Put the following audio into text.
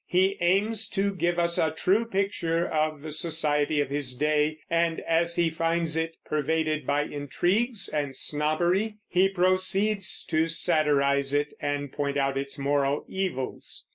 He aims to give us a true picture of the society of his day, and as he finds it pervaded by intrigues and snobbery he proceeds to satirize it and point out its moral evils.